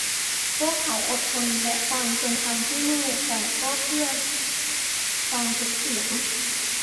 พวกเขาอดทนและฟัง จนทำให้เมื่อยแต่ก็เพื่อฟังทุกเสียง